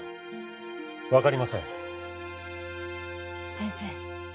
先生。